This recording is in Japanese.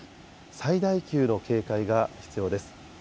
最大級の警戒が必要です。